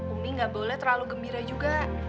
umi gak boleh terlalu gembira juga